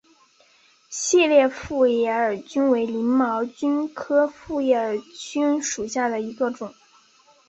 细裂复叶耳蕨为鳞毛蕨科复叶耳蕨属下的一个种。